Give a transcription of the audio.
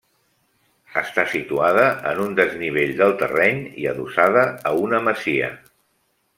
Està situada en un desnivell del terreny i adossada a una masia.